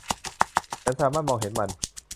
ฉันสามารถมองเห็นมัน